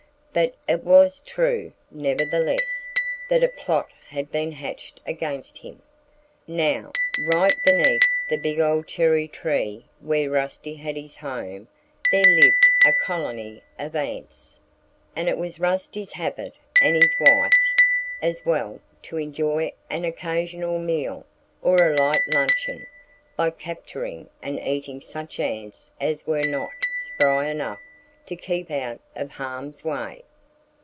But it was true, nevertheless, that a plot had been hatched against him. Now, right beneath the big old cherry tree where Rusty had his home there lived a colony of ants. And it was Rusty's habit and his wife's, as well to enjoy an occasional meal (or a light luncheon) by capturing and eating such ants as were not spry enough to keep out of harm's way.